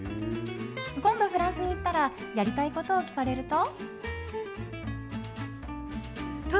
今度フランスに行ったらやりたいことを聞かれると。